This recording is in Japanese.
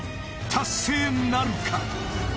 達成なるか！？